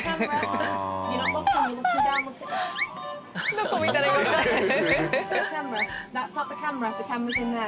どこ見たらいいかわかんない。